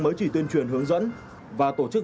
mới chỉ tuyên truyền hướng dẫn và tổ chức